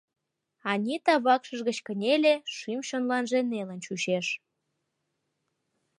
Анита вакшыж гыч кынеле, шӱм-чонланже нелын чучеш.